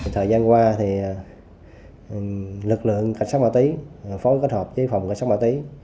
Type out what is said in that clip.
thời gian qua lực lượng cảnh sát ma túy phối kết hợp với phòng cảnh sát ma túy